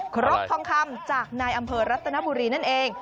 ครกทองคำจากนายอำเภอรัตนบุรีนั่นเอง